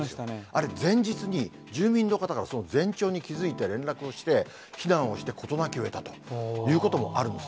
あれ、前日に住民の方が前兆に気付いて連絡をして、避難をして事なきを得たということもあるんです。